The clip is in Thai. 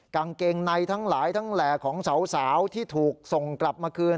กางเกงในทั้งหลายทั้งแหล่ของสาวที่ถูกส่งกลับมาคืน